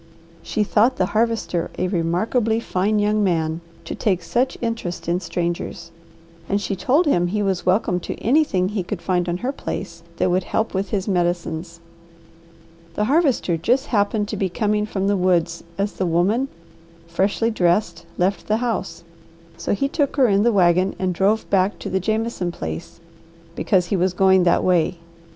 She thought the Harvester a remarkably fine young man to take such interest in strangers and she told him he was welcome to anything he could find on her place that would help with his medicines. The Harvester just happened to be coming from the woods as the woman freshly dressed left the house, so he took her in the wagon and drove back to the Jameson place, because he was going that way.